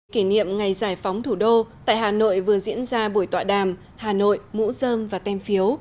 kỷ niệm ngày giải phóng thủ đô tại hà nội vừa diễn ra buổi tọa đàm hà nội mũ dơm và tem phiếu